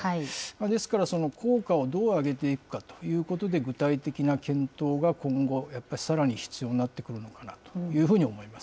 ですから、その効果をどう上げていくかということで、具体的な検討が今後、やっぱりさらに必要になってくるのかなというふうに思います。